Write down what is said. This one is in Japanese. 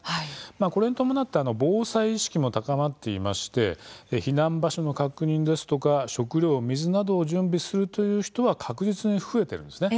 これに伴って防災意識も高まっていまして避難場所の確認ですとか食料、水などを準備するという人は確実に増えているんですね。